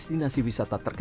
dan masih belajar belajar